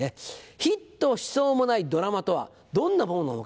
「ヒットしそうもないドラマとはどんなものなのか」